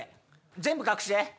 全部隠して。